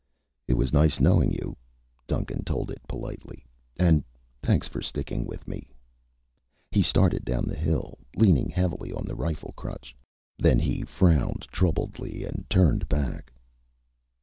"It was nice knowing you," Duncan told it politely. "And thanks for sticking with me." He started down the hill, leaning heavily on the rifle crutch. Then he frowned troubledly and turned back.